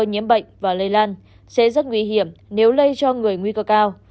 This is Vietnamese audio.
nhiễm bệnh và lây lan sẽ rất nguy hiểm nếu lây cho người nguy cơ cao